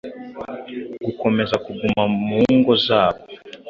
gukomeza kuguma mu ngo zabo